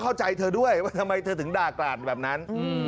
ไม่ได้เลี้ยงอย่างนี้